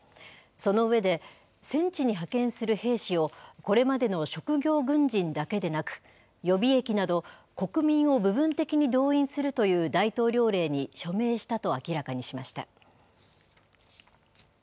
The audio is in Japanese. その上で、戦地に派遣する兵士を、これまでの職業軍人だけでなく、予備役など、国民を部分的に動員するという大統領令に署名したと明らかにしました。